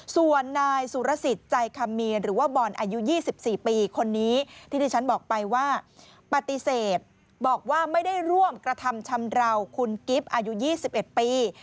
ส่วนนายสุรสิทธิ์ใจคำมีหรือว่าบอลอายุ๒๔ปีคนนี้ที่ที่ฉันบอกไปว่าปฏิเสธบอกว่าไม่ได้ร่วมกระทำชำราวคุณกิฟต์อายุ๒๑ปี